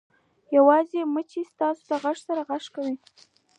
یو یوازې مچۍ ستاسو د غوږ سره غږ کوي